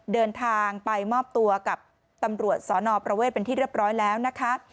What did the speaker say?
เดินทางไปมอบตัวกับตำรวจสนประเวทเป็นที่เรียบร้อยแล้วนะคะ